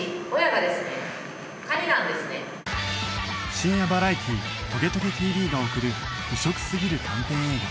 深夜バラエティー『トゲトゲ ＴＶ』が送る異色すぎる短編映画